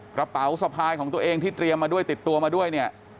กระเป๋าสะพายของตัวเองที่เตรียมมาด้วยติดตัวมาด้วยเนี่ย